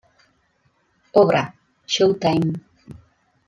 Obra: Show Time.